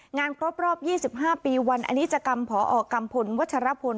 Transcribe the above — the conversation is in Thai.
งานครบรอบ๒๕ปีวันอนิจกรรมพอกัมพลวัชรพล